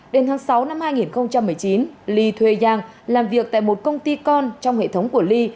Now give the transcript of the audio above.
đến tháng sáu năm hai nghìn một mươi chín li thuê yang làm việc tại một công ty con trong hệ thống của li